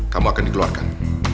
kamu akan dikeluarkan